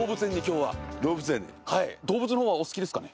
動物の方はお好きですかね？